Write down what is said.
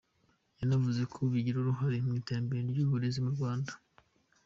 Yanavuze ko bagira uruhare mu iterambere ry’uburezi mu Rwanda.